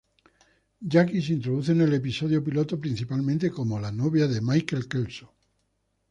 Jackie se introduce en el episodio piloto principalmente como la novia de Michael Kelso.